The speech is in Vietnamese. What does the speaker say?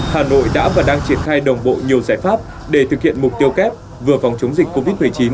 hà nội đã và đang triển khai đồng bộ nhiều giải pháp để thực hiện mục tiêu kép vừa phòng chống dịch covid một mươi chín